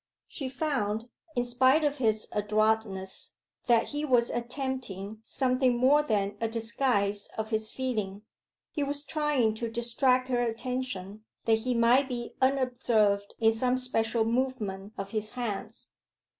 She found, in spite of his adroitness, that he was attempting something more than a disguise of his feeling. He was trying to distract her attention, that he might be unobserved in some special movement of his hands.